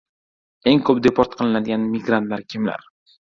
Eng ko‘p deport qilinadigan migrantlar kimlar?